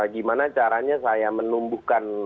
gimana caranya saya menumbuhkan